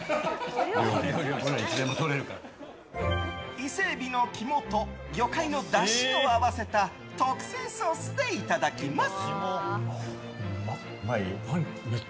イセエビの肝と魚介のだしを合わせた特製ソースでいただきます。